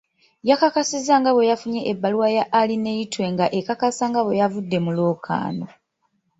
Yakakasizza nga bwe yafunye ebbaluwa ya Arineitwe nga ekakasa nga bw'avudde mu lwokaano.